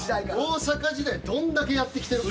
大阪時代どんだけやってきてるか。